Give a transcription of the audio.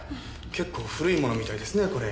結構古いものみたいですねこれ。